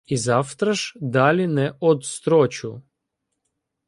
І завтра ж — далі не одстрочу.